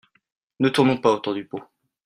Ne tournons pas autour du pot.